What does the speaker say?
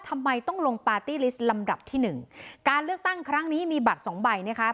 ทำไมต้องลงปาร์ตี้ลิสต์ลำดับที่หนึ่งการเลือกตั้งครั้งนี้มีบัตรสองใบนะคะ